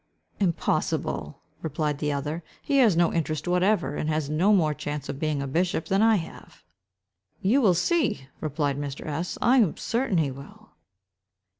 "Impossible!" replied the other; "he has no interest whatever, and has no more chance of being a bishop than I have." "You will see," replied Mr. S——; "I am certain he will."